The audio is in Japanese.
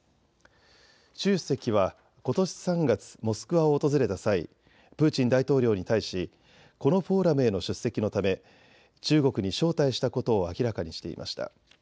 習主席はことし３月、モスクワを訪れた際、プーチン大統領に対しこのフォーラムへの出席のため中国に招待したことを明らかにしていました。